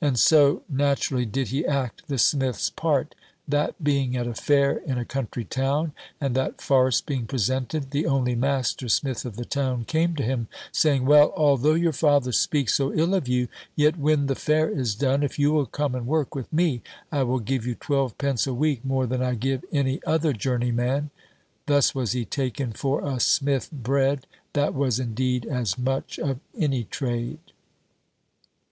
And so naturally did he act the smith's part, that being at a fair in a country town, and that farce being presented, the only master smith of the town came to him, saying, 'Well, although your father speaks so ill of you, yet when the fair is done, if you will come and work with me, I will give you twelve pence a week more than I give any other journeyman.' Thus was he taken for a smith bred, that was, indeed, as much of any trade."